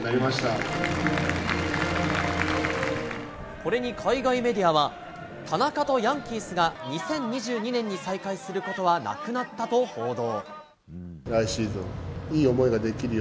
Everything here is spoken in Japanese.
これに海外メディアは田中とヤンキースが２０２２年に再会することはなくなったと報道。